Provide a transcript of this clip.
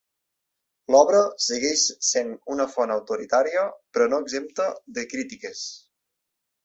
L'obra segueix sent una font autoritària, però no exempta de crítiques.